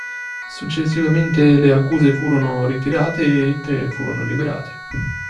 Successivamente le accuse furono ritirate e i tre furono liberati.